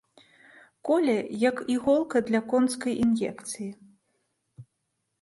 Коле, як іголка для конскай ін'екцыі.